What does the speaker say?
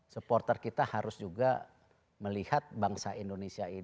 supporter kita harus juga melihat bangsa indonesia ini